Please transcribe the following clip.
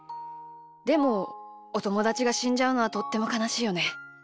でもおともだちがしんじゃうのはとってもかなしいよね。